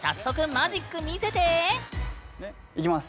いきます。